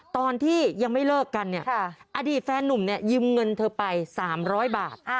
ตอนที่ยังไม่เลิกกันเนี่ยอดีตแฟนนุ่มเนี่ยยืมเงินเธอไป๓๐๐บาท